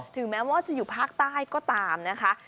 ถึงแม้ว่าจะอยู่ภาคใต้ก็ตามนะคะ